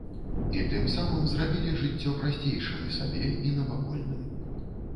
І тым самым зрабілі жыццё прасцейшым і сабе, і навакольным.